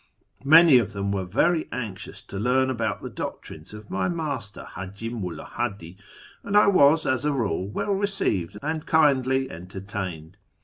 Many of them were very anxious to learn about the doctrines of my master, Haji Mulla Hadi, and I was, as a rule, well received and kindly entertained.